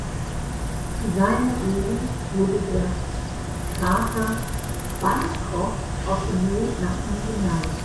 Zu seinen Ehren wurde der Krater Bancroft auf dem Mond nach ihm benannt.